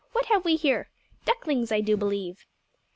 "What have we here? Ducklings I do believe."